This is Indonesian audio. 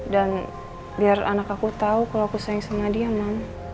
dan biar anak aku tahu kalau aku sayang sama dia mam